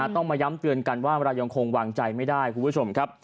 ต้องมาย้ำเตือนกันว่าเวลายังคงวางใจไม่ได้คุณผู้ชมครับ